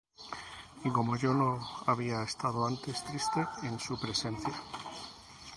Y como yo no había estado antes triste en su presencia,